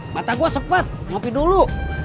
mata gua sepet mau pergi dulu